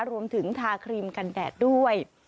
รวมถึงทาครีมกันแดดด้วย